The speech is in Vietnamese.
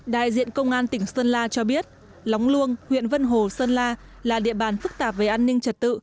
đại diện công an tỉnh sơn la cho biết lóng luông huyện vân hồ sơn la là địa bàn phức tạp về an ninh trật tự